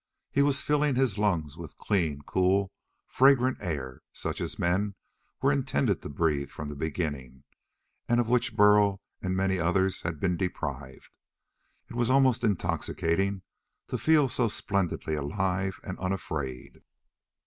He was filling his lungs with clean, cool, fragrant air such as men were intended to breathe from the beginning, and of which Burl and many others had been deprived. It was almost intoxicating to feel so splendidly alive and unafraid.